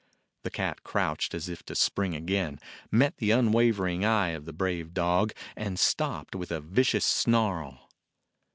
The cat crouched as if to spring again, met the unwavering eye of the brave dog, and stopped with a vicious snarl.